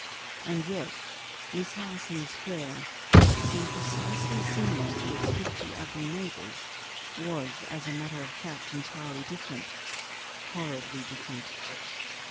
And yet this house in the square, that seemed precisely similar to its fifty ugly neighbours, was as a matter of fact entirely different horribly different.